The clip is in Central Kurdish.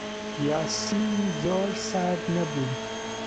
یاسین زۆر سارد نەبوو.